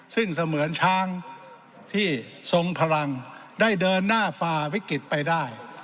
ซึ่งเสมือนช้างที่ทรงพลังได้เดินหน้าฝ่าวิกฤตไปได้